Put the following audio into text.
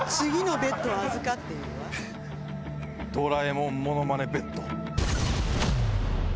「ドラえもんモノマネＢＥＴ」